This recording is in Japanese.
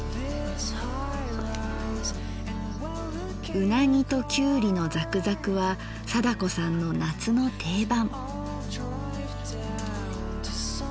「うなぎときゅうりのザクザク」は貞子さんの夏の定番。